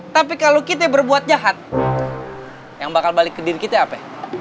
tapi kalau kita berbuat jahat yang bakal balik ke diri kita apa